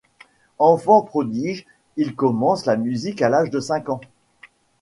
Enfant prodige, il commence la musique à l'âge de cinq ans.